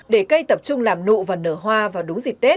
để cây tập trung làm nụ và nở hoa vào đúng dịp tết